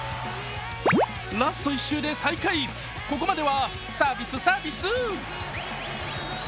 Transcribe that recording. ラスト１周で最下位、ここまではサービス、サービス。